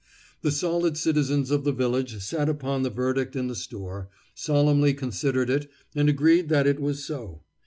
The solid citizens of the village sat upon the verdict in the store, solemnly considered it, and agreed that it was so.